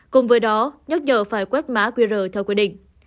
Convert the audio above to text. cùng với đó nhắc nhở phải quét má quy rờ theo quy định